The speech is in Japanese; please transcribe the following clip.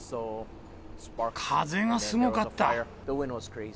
風がすごかった。